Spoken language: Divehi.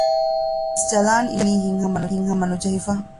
ނަމަވެސް ޖަލާން އިނީ ހިތްހަމަ ނުޖެހިފަ